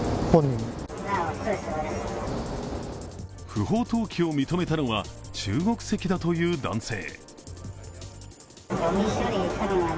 不法投棄を認めたのは中国籍だという男性。